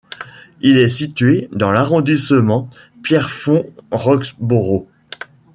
Il est situé dans l'Arrondissement Pierrefonds-Roxboro.